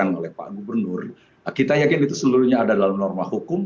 apa yang dilakukan oleh pak gubernur kita yakin itu seluruhnya ada dalam norma hukum